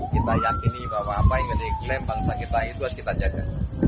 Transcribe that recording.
kita yakini bahwa apa yang menjadi klaim bangsa kita itu harus kita jaga